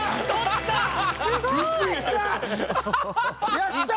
やった！